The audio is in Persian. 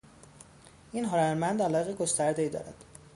این هنرمند علایق گستردهای دارد.